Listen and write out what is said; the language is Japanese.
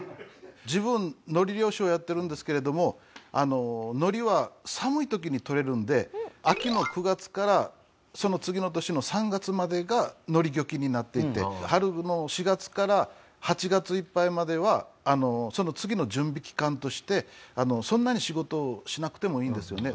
自分海苔漁師をやってるんですけれども海苔は寒い時にとれるんで秋の９月からその次の年の３月までが海苔漁期になっていて春の４月から８月いっぱいまではその次の準備期間としてそんなに仕事をしなくてもいいんですよね。